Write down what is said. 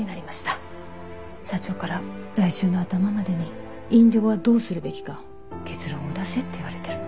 社長から来週の頭までにＩｎｄｉｇｏをどうするべきか結論を出せって言われてるの。